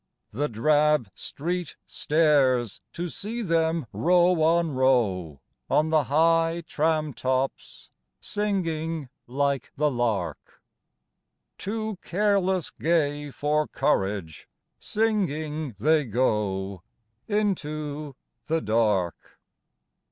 The drab street stares to see them row on row On the high tram tops, singing like the lark. Too careless gay for courage, singing they go Into the dark.